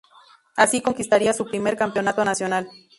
Así conquistaría su primer campeonato nacional.